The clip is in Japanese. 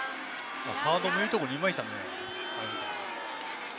サードもいいところにいましたね。